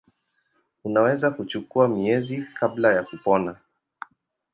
Unaweza kuchukua miezi kabla ya kupona.